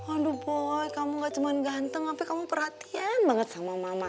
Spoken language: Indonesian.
aduh boy kamu nggak cuma ganteng tapi kamu perhatian banget sama mama